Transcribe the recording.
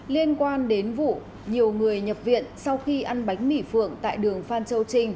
liên quan đến vụ nhiều người nhập viện sau khi ăn bánh mỉ phượng tại đường phan châu trinh